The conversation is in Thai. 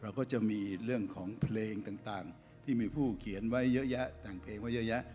ก็จะมีเรื่องของเพลงต่างที่มีผู้เขียนไว้เยอะแยะแต่งเพลงไว้เยอะแยะ